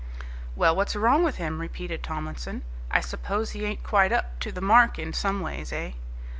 "Well, what's wrong with him?" repeated Tomlinson, "I suppose he ain't quite up to the mark in some ways, eh?"